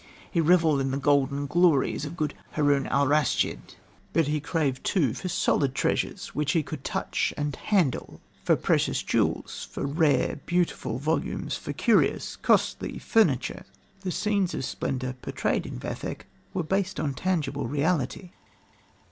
He revelled in the golden glories of good Haroun Alraschid, but he craved too for solid treasures he could touch and handle, for precious jewels, for rare, beautiful volumes, for curious, costly furniture. The scenes of splendour portrayed in Vathek were based on tangible reality.